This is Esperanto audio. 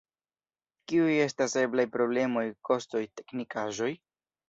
Kiuj estas eblaj problemoj, kostoj, teknikaĵoj?